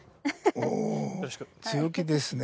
おお強気ですね。